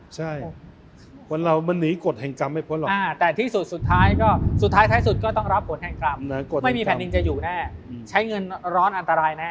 มันเหาะเงินข้าวประเทศข้าวประเทศนี้เป็นร้อยค